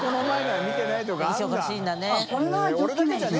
忙しいんだね。